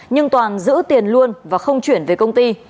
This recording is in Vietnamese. nhưng toàn giữ tiền luôn và không chuyển về công ty